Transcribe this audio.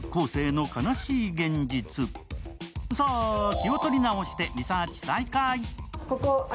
気を取り直してリサーチ再開。